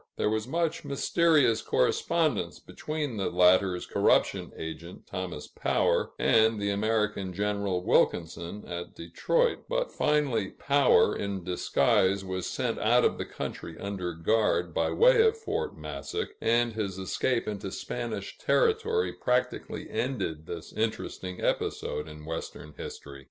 There was much mysterious correspondence between the latter's corruption agent, Thomas Power, and the American General Wilkinson, at Detroit; but finally Power, in disguise, was sent out of the country under guard, by way of Fort Massac, and his escape into Spanish territory practically ended this interesting episode in Western history.